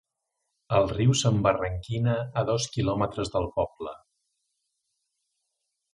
El riu s'embarranquina a dos quilòmetres del poble.